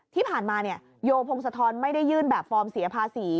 ที่ผ่านมาโยพงศธรไม่ได้ยื่นแบบฟอร์มเสียภาษี